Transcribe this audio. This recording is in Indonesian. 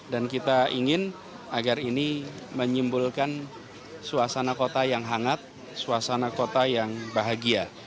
dan kita ingin agar ini menyimpulkan suasana kota yang hangat suasana kota yang bahagia